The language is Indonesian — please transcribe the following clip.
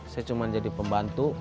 saya cuma jadi pembantu